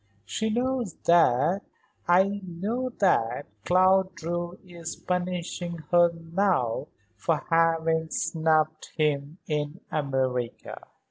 She knows that I know that Claude Drew is punishing her now for having snubbed him in America."